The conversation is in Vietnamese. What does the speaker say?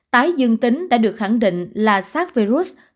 tái dương tính đã được khẳng định là sars virus